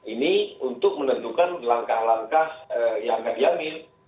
ini untuk menentukan langkah langkah yang diambil